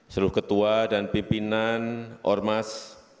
seluruh ketua dan pimpinan ormas